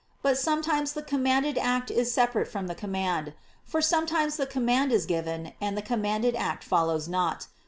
But sometimes the commanded act is separate from the command: for sometimes the command is given, and the commanded act follows not.